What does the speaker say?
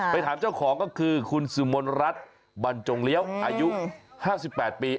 ถามเจ้าของก็คือคุณสุมนรัฐบรรจงเลี้ยวอายุ๕๘ปี